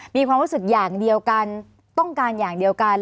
มีความรู้สึกอย่างเดียวกันต้องการอย่างเดียวกัน